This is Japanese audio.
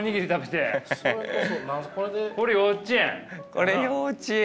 これ幼稚園？